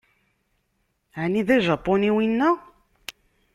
Ɛni d ajapuni wina?